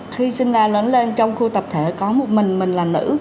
khi sinh ra lớn lên trong khu tập thể có một mình mình là nữ